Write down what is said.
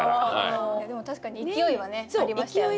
いやでも確かに勢いはねありましたよね。